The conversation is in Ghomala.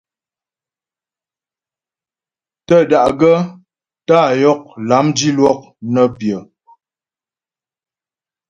Tə́ da'gaə́ tá'a yɔk lâm dilwɔk nə́ pyə.